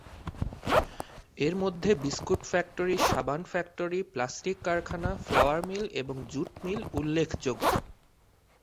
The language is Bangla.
এরমধ্যে বিস্কুট ফ্যাক্টরী, সাবান ফ্যাক্টরী, প্লাস্টিক কারখানা, ফ্লাওয়ার মিল এবং জুট মিল উল্লেখযোগ্য।